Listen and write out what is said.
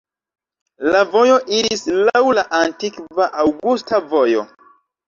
La vojo iris laŭ la antikva Aŭgusta Vojo.